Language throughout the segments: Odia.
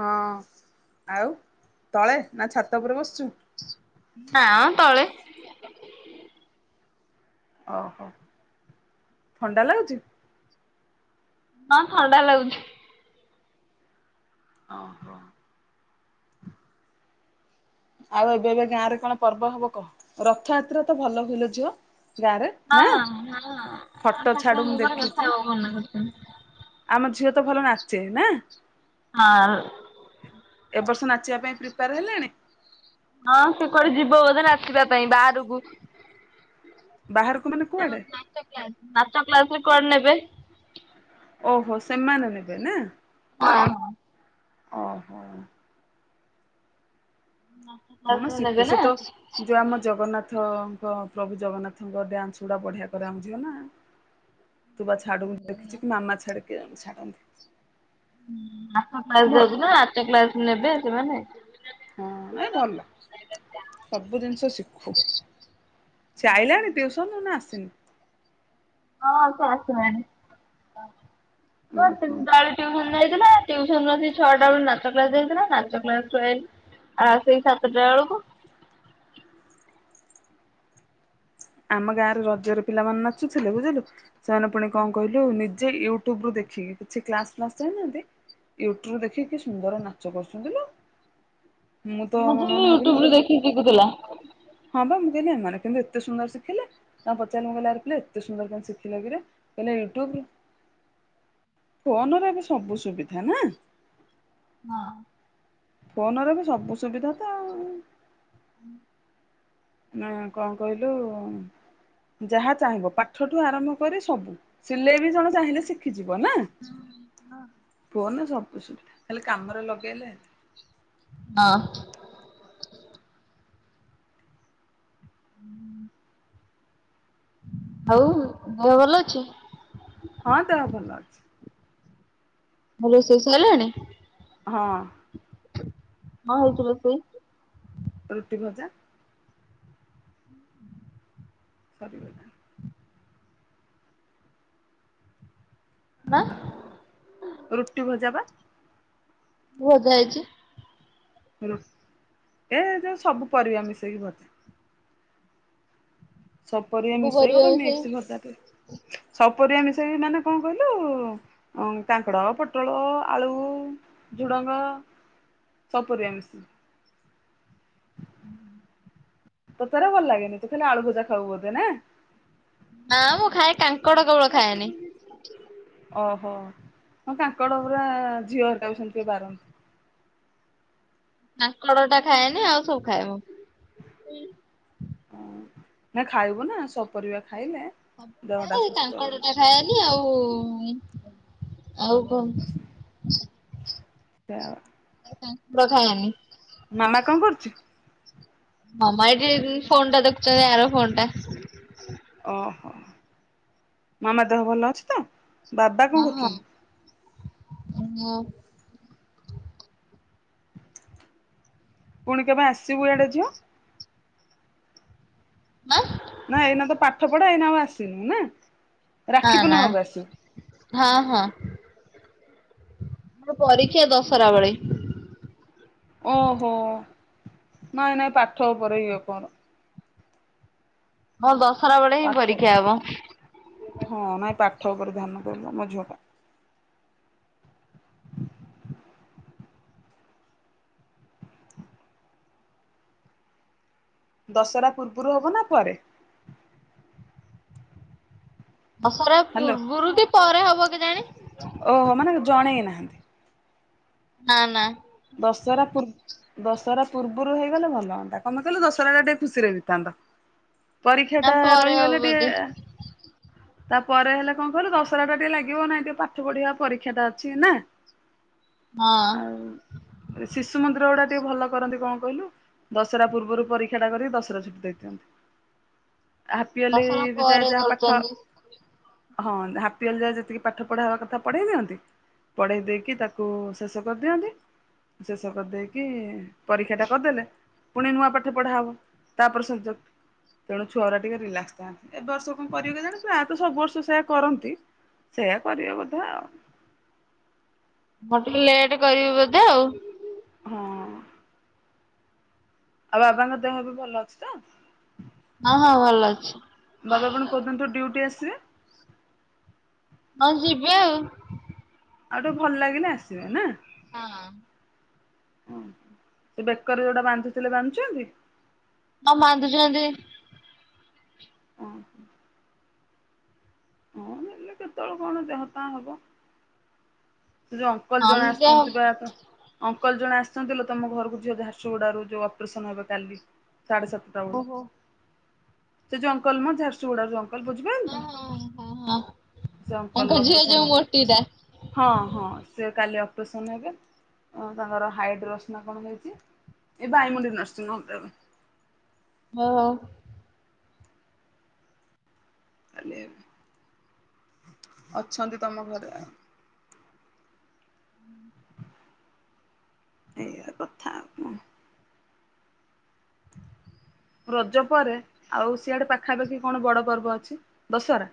ହଁ ଆଉ ତଳେ ନା ଛାତ ଉପରେ ବସିଛୁ? ନାଁ ମ ତଳେ ଓହୋ ଥଣ୍ଡା ଲାଗୁଛି? ହଁ ଥଣ୍ଡା ଲାଗୁଛି। ଓ ହୋ ଆଉ ଏବେ ଏବେ ଗାଁ ରେ କଣ ପର୍ବ ହବ କହ? ରଥଯାତ୍ରା ତ ଭଲ ହୁଏ ଲୋ ଝିଅ ଗାଁ ରେ ହଁ ନାଁ ଫଟୋ ଛାଡୁ ମୁ ଦେଖିଛି ଆମ ଝିଅ ତ ଭଲ ନାଚେ ନାଁ? ହଁ ଏ ବର୍ଷ ନାଚିବା ପାଇଁ ପ୍ରିପେୟାର ହେଲାଣି? ହଁ ସିଏ କୁଆଡେ ଯିବ ବୋଧେ ନାଚିବା ପାଇଁ ବାହାରକୁ ବାହାରୁକୁ ମାନେ କୁଆଡେ? ନାଚ କ୍ଲାସ ରେ କୁଆଡେ ନେବେ। ଓହୋ ସେମାନେ ନେବେ ନା? [unintelligible] ଅଁ ହଁ। ନାଁ ହଁ ମ ଶିଖୁ ସେ ତ ଯୋଉ ଆମ ଜଗନ୍ନାଥ ପ୍ରଭୁ ଜଗନ୍ନାଥଙ୍କ ଡ୍ୟାନ୍ସ ଗୁଡା ବଢିଆ କରାଯାଉଥିଲା ନା ତୁ ପା ଛାଡୁ ଦେଖିଛି ମାମା ଛାଡେ କିଏ ଜଣେ ଛାଡ଼ନ୍ତି। ନାଚ କ୍ଲାସ୍ ଯାଉଛି ନା ନାଚ କ୍ଲାସ୍ ନେବେ ସେମାନେ ହଁ ନାଇଁ ଭଲ ସବୁ ଜିନିଷ ଶିଖୁ ସିଏ ଆଇଲାଣି ଟ୍ୟୁସନୁରୁ ନା ଆସିନି? ହଁ ସେ ଆସିଲାଣି ଉଁ ହୁଁ। ଟିଉସନ୍ ଯାଇଥିଲା ଟିଉସନ୍ ରୁ ଆସିକି ଛଅଟା ବେଳୁ ନାଚ କ୍ଲାସ ଯାଇଥିଲା ନାଚ କ୍ଲାସ ରୁ ଆଇଲା। ଆଉ ସେଇ ସାତଟା ବେଳକୁ ଆମ ଗାଁରେ ରଜରେ ପିଲାମାନେ ନାଚୁଥିଲେ ବୁଝିଲୁ ସେମାନେ ପୁଣି କଣ କହିଲୁ ନିଜେ ୟୁ ଟୁବୁରୁ ଦେଖିକି କିଛି କ୍ଲାସ ଫ୍ଲାସ ଯାଇନାହାନ୍ତି ୟୁଟ୍ୟୁବରୁ ଦେଖିକି କି ସୁନ୍ଦର ନାଚ କରୁଛନ୍ତି ଲୋ ମୁଁ ତ ମୋ ମନେ ଝିଅବି ମନେ ଭାବିଲି ମୁଁ ୟୁଟ୍ୟୁବ ରୁ କହିଲି ଦେଖିକି ଶିଖୁଥିଲା। ହଁ ବା ମୁଁ କହିଲି ଏମନେ କେମିତି ଏତେ ସୁନ୍ଦର ସୁନ୍ଦର ଶିଖିଲେ ନା ପଚାରିଲି ଆରେ ପିଲେ ଏତେ ସୁନ୍ଦର ନାଚ କୋଉଠୁ ଶିଖିଲ କିରେ କହିଲେ ୟୁଟ୍ୟୁବ ଫୋନରେ ଏବେ ସବୁ ସୁବିଧା ନା? ହଁ। ଫୋନରେ ଏବେ ସବୁ ସୁବିଧା ତ ଆଉ ହୁଁ। ନାଁ କଣ କହିଲୁ ଯାହା ଚାହିଁବ ପାଠଠୁ ଆରମ୍ଭ କରି ସବୁ। ସିଲେଇ ବି ଜଣେ ଚାହିଁଲେ ଶିଖିଯିବ ନାଁ? ଫୋନ୍ ରେ ସବୁ ସୁବିଧା ଖାଲି କାମରେ ଲଗେଇଲେ ହେଲେ। ହଁ। ହଉ ଦେହ ଭଲ ଅଛି। ହଁ ଦେହ ଭଲ ଅଛି। ରୋଷେଇ ସଇଲାଣି? ହଁ। ମାଁ ହେଇଥିଲ ପୋଇ ରୁଟି ଭଜା। ସରି [unintelligible] [unintelligible] ରୁଟି ଭଜା ବା। ଭଜା ହେଇଛି। [unintelligible] ଏ ଯୋଉ ସବୁ ପରିବା ମିଶେଇକି ଭ ସପରିଆ ସବୁ ମିଶେଇ ପରିବା ଗୋଟେ ମିଶେଇ ମିକ୍ସ ଭଜାଟେ ସପରିବା ମିଶେଇକି ମାନେ କଣ କହିଲୁ? ହଁ କାଙ୍କଡ ପୋଟଳ ଆଳୁ ଝୁଡଙ୍ଗ। ସପୁରିଆ ମିଶି ହୁଁ। ତୋତେରେ ଭଲ ଲାଗେନି ତୁ ଖାଲି ଆଳୁ ଭଜା ଖାଉ ବୋଧେ ନା? ନା ମୁଁ ଖାଏ କାଙ୍କଡ କେବଳ ଖାଏନି। ଓହୋ ହଁ କାଙ୍କଡ଼ ପୁରା ଝିଅ ହେରିକା ବି ସେମିତି ବାର କାଙ୍କଡ଼ ଟା ଖାଏନି ଆଉ ସବୁ ଖାଏ ମୁଁ। ଓ ନା ଖାଇବୁ ନା ସବୁ ପରିବା ଖାଇଲେ ସବୁ ଦେହଟା ଖଏ ସୁସ୍ଥ କାଙ୍କଡ ରହିବ। ଟା ଖଏନି ଆଉ ଆଉ କଣ [unintelligible] ର [unintelligible] ମାମା କଣ କରୁଛି? ମାମ ଏଇଠି ଫୋନ୍ ଟା ଦେଖୁଛନ୍ତି ଆର ଫୋନ୍ ଟା। ହଁ ଓହୋ ମାମା ଦେହ ଭଲ ଅଛି ତ? ବାବା କଣ ହଁ କରୁଛନ୍ତି? ହଁ ହଁ। ପୁଣି କେବେ ଆସିବୁ ଏଇଆଡେ ଝିଅ? ଆଁ? ନା ଏଇନା ତ ପାଠ ପଢା ଏଇନା ଆଉ ଆସିନୁ ନା? ରାକ୍ଷୀ ନାଁ ନାଁ। ପୂର୍ଣ୍ଣିମାକୁ ଆସିବୁ ହଁ ହଁ ପରୀକ୍ଷା ଦଶରା ବେଳେ। ଓହୋ ନାଇଁ ନାଇଁ ପାଠ ଉପରେ ଇଏ କର। ହଁ ଦଶହରା ବେଳେ ହିଁ ପାଠ ପରୀକ୍ଷା ହବ। ହଁ ନାଇଁ ପାଠ ଉପରେ ଧ୍ୟାନ ଦେଲୋ ମୋ ଝିଅଟା। ଦଶରା ପୂର୍ବରୁ ହବ ନା ପରେ? ଦଶରା ହ୍ୟାଲୋ ପୂର୍ବରୁ କି ପରେ ହବ କେଜାଣି? ଓହୋ ମାନେ ଜଣେଇ ନାହାନ୍ତି? [unintelligible] ଦଶହରା ପୂର୍ ଦଶହରା ପୂର୍ବରୁ ହେଇଗଲେ ଭଲ ହଅନ୍ତା କମ କିଲୁ ଦଶହରା ଟା ଟିକେ ଖୁସିରେ ବିତାନ୍ତା। ପରୀକ୍ଷା ନା ଟା ପରେ ହବ ରହିଗଲେ ବୋଧେ ଟିକେ ତାପରେ ହେଲେ କଣ କହିଲୁ ଦଶରା ଟା ଟିକେ ଲାଗିବ ନାଇଁ ଟିକେ ପାଠ ପଢିବା ପରୀକ୍ଷା ଟା ଅଛି ନା। ହଁ। ଆଉ ଶିଶୁ ମନ୍ଦିର ଗୁଡା ଟିକେ ଭଲ କରନ୍ତି କଣ କହିଲୁ ଦଶରା ପୂର୍ବରୁ ପରୀକ୍ଷା ଟା କରି ଦଶରା ଛୁଟି ଦେଇଦିଅନ୍ତି। ହାପିଅଲି ଦଶହରା ପରେ ଯାଏ ଯାହା ପାଠ କରୁଛନ୍ତି। ହଁ ହାପିଅଲି ଯାଏ ଯେତିକି ପାଠ ପଢା ହବା କଥା ପଢେଇ ଦିଅନ୍ତି ପଢେଇ ଦେଇକି ତାକୁ ଶେଷ କରିଦିଅନ୍ତି। ଶେଷ କରିଦେଇକି ପରୀକ୍ଷା ଟା କରିଦେଲେ ପୁଣି ନୂଆ ପାଠ ପଢା ହବ ତାପରେ ସେ ଯୋଉ ତେଣୁ ଛୁଆ ଗୁରା ଟିକେ ରିଲାକ୍ସ ଥାନ୍ତି ଏ ବର୍ଷ କଣ କରିବ କି ଜାଣ ତ ସବୁ ବର୍ଷ ସେୟା କରନ୍ତି। ସେଇୟା କରିବେ ବୋଧେ ଆଉ। ମୁଁ ଟିକେ ଲେଟ୍ କରିବି ବୋଧେ ଆଉ। ହଁ। ଆଉ ବାବାଙ୍କ ଦେହ ଏବେ ଭଲ ଅଛି ତ? ହଁ ହଁ ଭଲ ଅଛି। ବାବା ଆପଣ କୋଉଦିନ ଠୁ ଡ୍ୟୁଟି ଆସିବେ? ହଁ ଯିବେ ଆଉ। ଆଉ ଟିକେ ଭଲ ଲାଗିଲେ ଆସିବେ ନା? ହଁ। ଓ ବେକର ଯୋଉଟା ବାନ୍ଧୁଥିଲେ ବାନ୍ଧୁଛନ୍ତି? ହଁ ମନ୍ଦୁଛନ୍ତି। ଓ ହୋ। ହଁ ନେଲେ କେତେବେଳଳେ କଣ ଦେହ ପାହା ହବ। ଯୋଉ ଅଙ୍କଲ ଜଣେ ମାନ୍ଦା ଓହୋ। ଆସିଛନ୍ତି ପା କଣ? ଅଙ୍କଲ ଜଣେ ଆସିଛନ୍ତି ଲୋ ତମ ଘରକୁ ଝିଅ ଝାରସୁଗୁଡାରୁ ଯୋଉ ଅପରେସନ ହବ କାଲି ସାଢେ ସାତ ହଁ ହଁ ସେ ଯଉ ଅଙ୍କଲ ମ ଝାରସୁଗୁଡା ରୁ ଯଉ ଅଙ୍କଲ ବୋଝିବା ଓ ଅଙ୍କଲ ତାଙ୍କ ଝିଅ ଅପରେସନ ଯୋଉ ହେବେ। ମୋଟିଟା। ହଁ ହଁ ସେ କାଲି ଅପରେସନ ହେବେ କଣ ତାଙ୍କର ହାଇଡ୍ରୋସ ନା କଣ ହେଇଛି? ଏ ଭାଇ ମୁଡି ନର୍ସିହୋମ୍ [unintelligible] ହହ। [unintelligible] ଅଛନ୍ତି ତମ ଘରେ। ଏଇୟା କଥା [unintelligible] ରଜ ପରେ ଆଉ ସିଆଡେ ପାଖାପାଖି କଣ ବଡ଼ ପର୍ବ ଅଛି ଦଶହରା?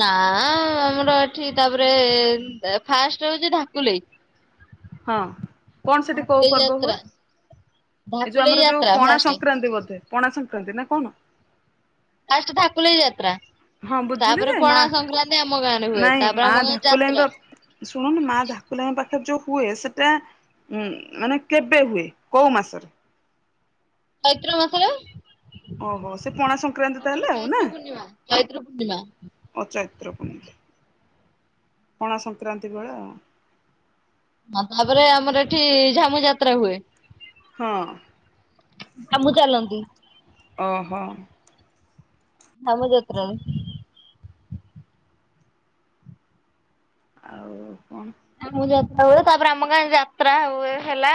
ନା- ଆମର ଏଠି ତାପରେ ଫାଷ୍ଟ ହଉଛି ଢାକୁଲେଇ। ହଁ। କଣ ସେଠି କୋଉ ଧାକୁଲେଇ ପର୍ବ ହୁଏ ଯାତ୍ରା। ଏ ଯୋଉ ଧାକୁଲେଇ ଆମର ଯୋଉ ଯାତ୍ରା ପଣା ଫାଷ୍ଟେ ସଂକ୍ରାନ୍ତି ବୋଧେ? ପଣା ସଂକ୍ରାନ୍ତି ନା କଣ? ଫାର୍ଷ୍ଟ ଧାକୁଲେଇ ଯାତ୍ରା। ହଁ ବୁଝିଲି ତାପରେ ଯେ ମା ପଣା ସଂକ୍ରାନ୍ତି ଆମ ଗାଁ ରେ ହୁଏ ତାପରେ ଆମ ଗାଁରେ ଯାତ୍ରା। ଶୁଣୁନି ମା ଧକୁଲା ଙ୍କ ପାଖରେ ଯୋଉ ହୁଏ ସେଟା ଉୁଁ ମାନେ କେବେ ହୁଏ କୋଉ ମାସରେ? ପୈତ୍ର ମାସରେ। ଓହୋ ସେ ପଣା ସଂକ୍ରାନ୍ତି ତା ହେଲେ ଆଉ ନା ଚୈତ୍ର ପୂର୍ଣ୍ଣିମା ଅ ଚୈତ୍ର ପୂଣ ପଣା ସଂକ୍ରାନ୍ତି ବେଳେ ଆଉ। ଅଭାବ ରେ ଆମର ଏଠି ଝାମୁ ଯାତ୍ରା ହୁଏ। ହଁ। ଆମୁ ଚାଲନ୍ତି। ଓହୋ। ହାମୁ ଯାତ୍ରା ରେ। ଆଉ କଣ? ଝାମୁ ଯାତ୍ରା ହୁଏ ତାପରେ ଆମ ଗାଁ ଯାତ୍ରା ହୁଏ ହେଲା।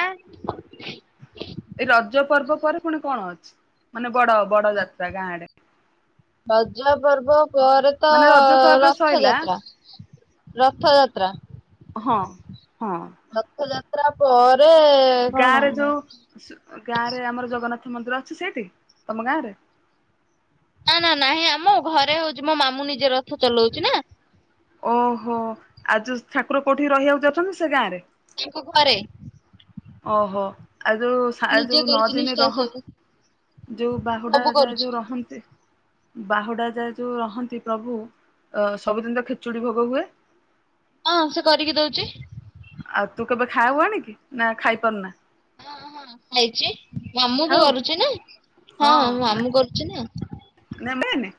ଏଇ ରଜ ପର୍ବ ପରେ ପୁଣି କଣ ଅଛି ମାନେ ବଡ ବଡ ଯାତ୍ରା ଗାଁ ଆଡେ? ଗଜ ପର୍ବ ପରେ ତ- ମାନେ ରଜ ତ ଏବେ ସଇଲା ରଥଯାତ୍ରା। ରଥଯାତ୍ରା। ହଁ ହଁ। ରଥଯାତ୍ରା ପରେ ଗାଁ କଣ? ରେ ଯୋଉ ଗାଁ ରେ ଆମର ଜଗନ୍ନାଥ ମନ୍ଦିର ଅଛି ସେଇଠି ତମ ଗାଁ ରେ? ନା ନା ନାହିଁ ଆମ ଘରେ ହଉଛି ମୋ ମାମୁଁ ନିଜେ ରଥ ଚଲଉଛି ନା। ଓହୋ ଆଉ ଯୋଉ ଠାକୁର କୋଉଠି ରହିବାକୁ ଯାଉଛନ୍ତି ସେ ଗାଁ ରେ? ତାଙ୍କ ଘରେ। ଓହୋ। ଆଉ ଯୋଉ ଥା ନିଜେ ଯୋଉ ନଅ କରୁଛି ଦିନେ ନିଷ୍ଠା ରହନ୍ତ, ସବୁ ଯୋଉ ବାହୁଡା ସବୁ ଯାଏ କରୁଛି। ଯୋଉ ରହନ୍ତି ବାହୁଡା ଯାଏ ଯୋଉ ରହନ୍ତି ପ୍ରଭୁ, ଅ ସବୁଦିନ ତ ଖେଚୁଡି ଭୋଗ ହୁଏ? ହଁ, ସିଏ କରିକି ଦଉଛି। ଆଉ ତୁ କେବେ ଖାଉ ଆଣିକି ନା ଖାଇପାରୁନା? ହଁ ହଁ ଖାଇଛି। ମାମୁଁ ଖାଉ କରୁଛି ନା, ହଁ ମୋ ମାମୁଁ କରୁଛି ନା ନେଁବେନି?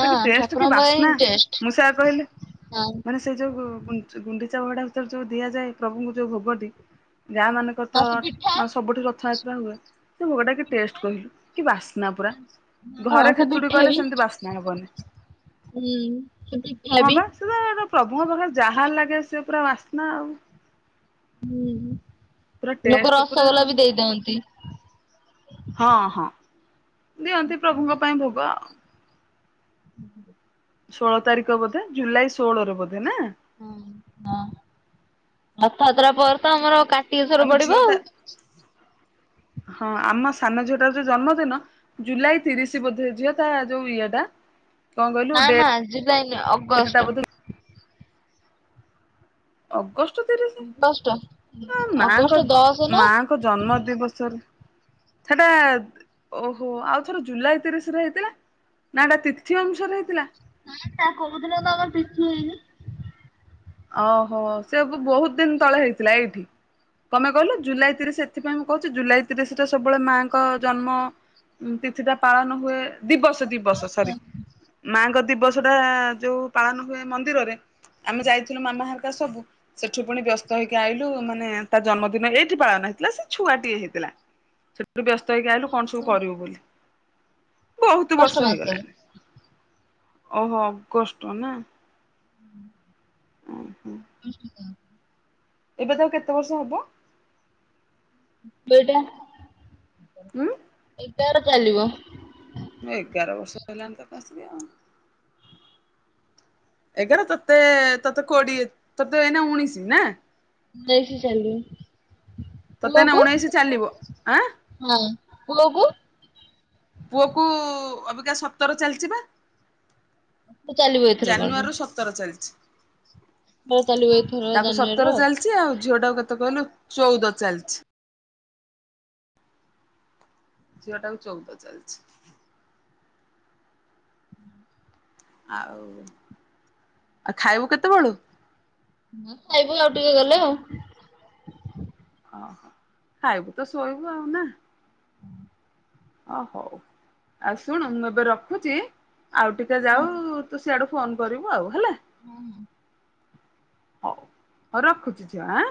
ସେଇଟା କି ଟେଷ୍ଟ, କି ଠାକୁରଙ୍କ ପାଇଁ ବାସ୍ନା। ଟେଷ୍ଟ ମୁଁ ସେୟା କହିଲି ହଁ ମାନେ ସେ ଯୋଉ ଗୁଣ୍ଡିଚା-ଗୁଣ୍ଡିଚା ଭଡା ଭିତରେ ଯୋଉ ଦିଆଯାଏ ପ୍ରଭୁଙ୍କୁ ଯୋଉ ଭୋଗଟି, ଗାଁମାନଙ୍କ ହଁ ସେ ତାଙ୍କର ପିଠା ତ ମାନେ ସବୁଠି ରଥଯାତ୍ରା ହୁଏ। ସେ ଭୋଗଟା କି ଟେଷ୍ଟ କହିଲୁ, କି ବାସ୍ନା ପୁରା। ହଁ ଘରେ ସେ ଖେଚୁଡି ପିଠା କଲେ ବି ସେମିତି ବାସ୍ ହଁ ବା। ହୁଁ ସେ ପିଠା ବି ସେ ତ ଗୋଟେ ପ୍ରଭୁଙ୍କ ପାଖରେ ଯାହା ଲାଗେ, ସିଏ ପୁରା ବାସ୍ନା ଆଉ। ହୁଁ। ପୁରା ଲୋକ ଟେଷ୍ଟ ପୁରା ଆଉ ରସଗୋଲା ବି ଦେଇଦିଅନ୍ତି। ହଁ ହଁ। ଦିଅନ୍ତି ପ୍ରଭୁଙ୍କ ପାଇଁ ଭୋଗ ଆଉ। ହ ଷୋଳ ତାରିଖ ବୋଧେ, ଜୁଲାଇ ଷୋହଳରେ ବୋଧେ ନା? ହଁ ହଁ, ରଥଯାତ୍ରା ପରେ ତ ଆମର କା ଆମ ଝିଅଟା ହଁ ଆମ ସାନ ଝିଅଟାର ଯୋଉ ଜନ୍ମଦିନ ଜୁଲାଇ ତିରିଶ ବୋଧେ, ଝିଅ ତା ଯୋଉ ଇଏଟା କଣ କହିଲୁ ନା ଡେଟ୍ ନା, ଜୁଲାଇ ନୁହଁ ସେଟା ଅଗଷ୍ଟ। ବୋଧେ ଅଗଷ୍ଟ ତିରିଶି, ଅଗଷ୍ଟ ଅଗଷ୍ଟ ମାଆଙ୍କ ଦଶ ନା ମାଆଙ୍କ ଜନ୍ମ ଦିବସରେ ସେଟା, ଓହୋ। ଆଉ ଥରେ ଜୁଲାଇ ତିରିଶରେ ହେଇଥିଲା। ନା ଏଇଟା ତିଥି ଅନୁସାରେ ହେଇଥିଲା? ହ ତା କହୁଥିଲ ତମେ ତିଥି ହେଇନି? ଓହୋ, ସେସବୁ ବହୁତ ଦିନ ତଳେ ହେଇଥିଲା ଏଇଠି। ତମେ କହିଲ ଜୁଲାଇ ତିରିଶ ଏଥିପାଇଁ ମୁଁ କହୁଛି, ଜୁଲାଇ ତିରିଶରେ ସବୁବେଳେ ମାଆଙ୍କ ଜନ୍ମ ଉମ୍ ତିଥିିଟା ପାଳନ ହୁଏ, ଦିବସ ଦିବସ ସରି ମାଆଙ୍କ ଦିବସଟା ଯୋଉ ପାଳନ ହୁଏ ମନ୍ଦିରରେ, ଆମେ ଯାଇଥିଲୁ ମାମା ହେରିକା ସବୁ ସେଠୁ ପୁଣି ବ୍ୟସ୍ତ ହେଇକି ଆଇଲୁ ମାନେ ତା ଜନ୍ମଦିନ ଏଇଠି ପାଳନ ହେଇଥିଲା, ସେ ଛୁଆଟିଏ ହେଇଥିଲା। ସେଥିରୁ ବ୍ୟସ୍ତ ହେଇକି ଆଇଲୁ କଣ ସବୁ କରିବୁ ବୋଲି। ବହୁତ ଅଗଷ୍ଟ ବର୍ଷ ମାସରେ ହେଇଗଲାଣି। ଓହୋ, ଅଗଷ୍ଟ ନା? ହୁଁ ଓହୋ। [unintelligible] ଏବେ ତାକୁ କେତେ ବର୍ଷ ହବ? ବେଇଟା ଉଁ? ଏଗାର ଚାଲିବ। ମୁଁ ଏଗାର ବର୍ଷ ହେଲାଣି ତମେ ଆସିବା ଆଉ। ଏଗାର ତତେ ତତେ କୋଡିଏ, ତତେ ଏଇନା ଉଣେଇଶି, ନା? ଯାଇଛି ଚାଲି। ତତେ ଏଇନା ଉଣେଇଶି ଚାଲିବ ଆଁ। ହୁଁ, ପୁଅକୁ? ପୁଅକୁ ଅବିକା ସତର ଚାଲଚି ପା। ଚାଲିବ ଏଥରକ ଜାନୁଆରୀରୁ ସତର ଚାଲିଛି। ଚାଲିବ ଏଥର ତାକୁ ଜାନୁଆରୀରୁ ସତର ଚାଲିଛି ଆଉ ଝୁଅଟାକୁ କେତେ କହିଲୁ, ଚଉଦ ଚାଲିଛି। ଝିଅଟାକୁ ଚଉଦ ଚାଲିଛି। ଆଉ, ଆଉ ଖାଇବୁ କେତେବେଳୁ? ହଁ ଖାଇବୁ ଆଉ ଟିକେ ଗଲେ ଆଉ। ଅଃ ଖାଇବୁ ତ ଶୋଇବୁ ଆଉ ନା। ଅ ହଉ ଆଉ ଶୁଣ ମୁଁ ଏବେ ରଖୁଚି ଆଉ ଟିକେ ଯାଉ ତୁ ସିୟାଡୁ ଫୋନ୍ କରିବୁ ଆଉ ହେଲା। ହଁ ହଁ। ହଉ ହୋଉ ରଖୁଛି ଝିଅ ଆଁ।